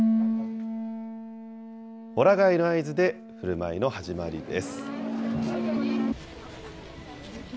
ホラ貝の合図でふるまいの始まりです。